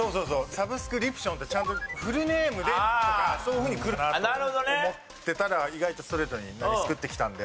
サブスクリプションってちゃんとフルネームでとかそういうふうにくるかなと思ってたら意外とストレートに何スクってきたので。